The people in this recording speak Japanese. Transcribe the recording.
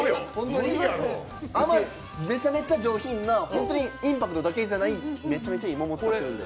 めちゃめちゃ上品な、本当にインパクトだけじゃないめちゃめちゃいい桃使ってるんで。